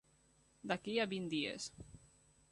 D'aquí a vint dies.